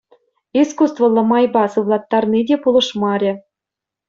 Искусствӑллӑ майпа сывлаттарни те пулӑшмарӗ.